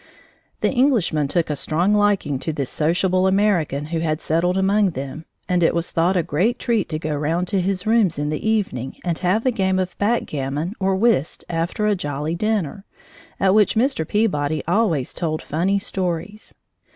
The Englishmen took a strong liking to this sociable American who had settled among them, and it was thought a great treat to go round to his rooms in the evening and have a game of backgammon or whist after a jolly dinner, at which Mr. Peabody always told funny stories.